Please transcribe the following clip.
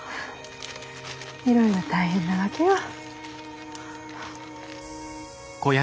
いろいろ大変なわけよ。